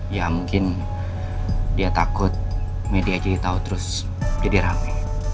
ya mungkin dia takut media jadi tahu terus jadi rame